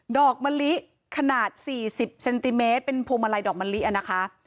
อกมะลิขนาด๔๐เซนติเมตรเป็นพวงมาลัยดอกมะลินะคะ